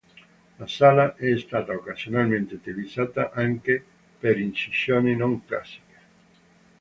La sala è stata occasionalmente utilizzata anche per incisioni non classiche.